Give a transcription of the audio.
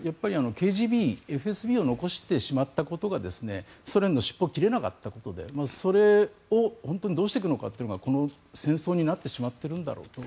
ＫＧＢ、ＦＳＢを残してしまったことがソ連の尻尾を切れなかったことでそれを本当にどうしていくかというのがこの戦争になってしまっているんだろうと。